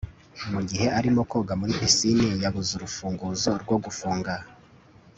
mu gihe arimo koga muri pisine, yabuze urufunguzo rwo gufunga